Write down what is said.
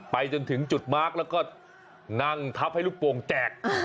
ไปจนถึงจุดมาร์คแล้วก็นั่งทับให้ลูกโป่งแตก